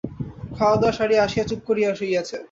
খাওয়া-দাওয়া সারিয়া আসিয়া চুপ করিয়া শুইয়াছে।